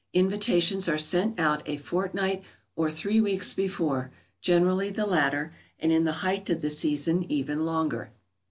Invitations are sent out a fortnight or three weeks before, generally the latter, and in the height of the season even longer.